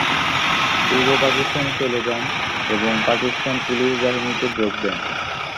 পূর্ব পাকিস্তানে চলে যান এবং পাকিস্তান পুলিশ বাহিনীতে যোগ দেন।